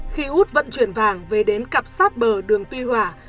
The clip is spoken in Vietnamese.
khi út vận chuyển vàng về đến cặp sát bờ đường tuy hòa